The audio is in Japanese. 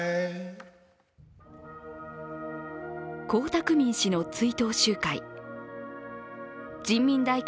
江沢民氏の追悼集会。